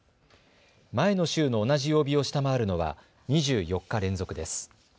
前の週の同じ曜日を下回るのは２４日連続です。